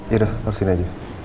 yaudah taruh sini aja